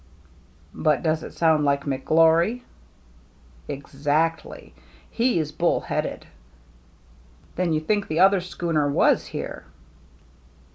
" But does it sound like McGlory ?"" Exactly. He's bull headed." "Then you think the ether schooner was here?"